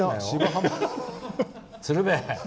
鶴瓶！